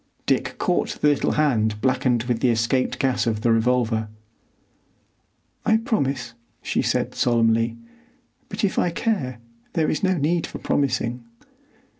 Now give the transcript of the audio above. Dick caught the little hand blackened with the escaped gas of the revolver. "I promise," she said solemnly; "but if I care there is no need for promising."